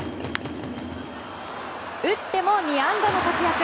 打っても２安打の活躍。